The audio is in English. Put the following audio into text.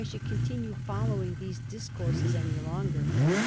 should continue following these discourses any longer.'